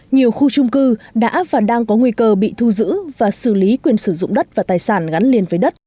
nhiều khu trung cư đã và đang có nguy cơ bị thu giữ và xử lý quyền sử dụng đất và tài sản gắn liền với đất